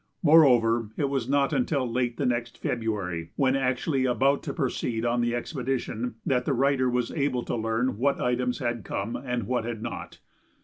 Moreover, it was not until late the next February, when actually about to proceed on the expedition, that the writer was able to learn what items had come and what had not.